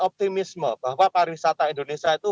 optimisme bahwa pariwisata indonesia itu